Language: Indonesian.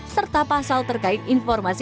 serta pasal terkait informasi